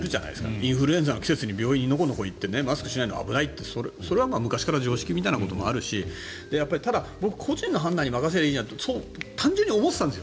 インフルエンザの季節に病院にのこのこ行ってマスクしないのは危ないってそれは昔から常識みたいなところもあるしただ、僕、個人の判断に任せればいいじゃんって単純に思っていたんですよ。